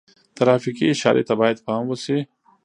ترافیکي اشارې ته باید پام وشي.